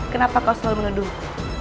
kenapa kau selalu mengeduhku